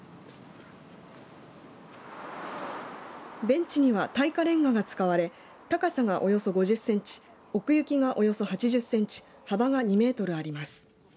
ベンチには耐火れんがが使われ高さがおよそ５０センチ奥行きがおよそ８０センチ幅が２メートルあります。